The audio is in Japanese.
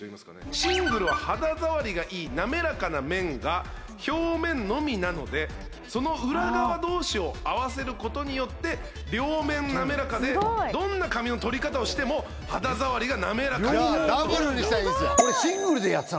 シングルは肌触りがいい滑らかな面が表面のみなのでその裏側同士を合わせることによって両面滑らかでどんな紙の取り方をしても肌触りが滑らかになるとじゃあダブルにしたらいいんすよ